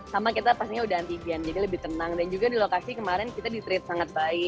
sama kita pastinya udah antigen jadi lebih tenang dan juga di lokasi kemarin kita di treat sangat baik